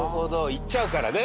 行っちゃうからね。